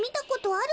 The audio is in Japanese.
ある！